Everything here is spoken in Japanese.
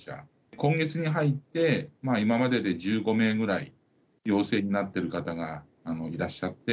今月に入って今までで１５名ぐらい陽性になっている方がいらっしゃって。